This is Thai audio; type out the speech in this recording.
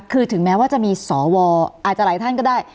คือถึงแม้ว่าจะมีสวอาจจะหลายท่านก็ได้